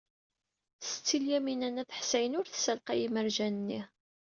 Setti Lyamina n At Ḥsayen ur tessalqey imerjan-nni.